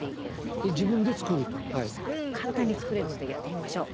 簡単に作れるのでやってみましょう。